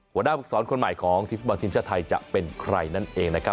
หัวหน้าภูมิสอนคนใหม่ของทีมฟุตบอลทีมชาติไทยจะเป็นใครนั่นเองนะครับ